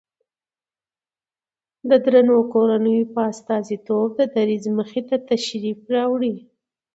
د درنو کورنيو په استازيتوب د دريځ مخې ته تشریف راوړي